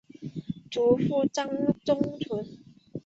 祖父张宗纯。